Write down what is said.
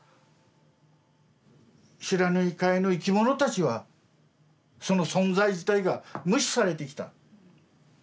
不知火海の生き物たちはその存在自体が無視されてきた。